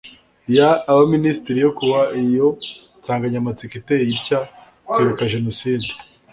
y abaminisitiri yo kuwa iyo nsanganyamatsiko iteye itya kwibuka jenoside